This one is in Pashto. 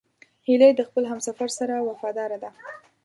هیلۍ د خپل همسفر سره وفاداره ده